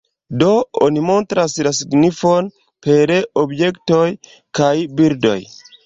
Do: oni montras la signifon per objektoj kaj bildoj.